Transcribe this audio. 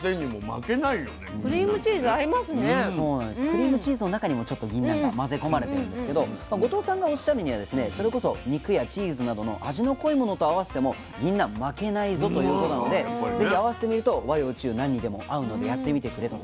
クリームチーズの中にもちょっとぎんなんが混ぜ込まれてるんですけど後藤さんがおっしゃるにはですねそれこそ肉やチーズなどの味の濃いものと合わせてもぎんなん負けないぞということなのでぜひ合わせてみると和洋中何にでも合うのでやってみてくれと。